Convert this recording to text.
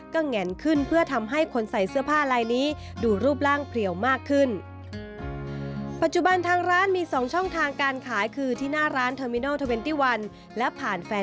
ก็แง่นขึ้นเพื่อทำให้คนใส่เสื้อผ้าลายนี้ดูรูปร่างเพลียวมากขึ้น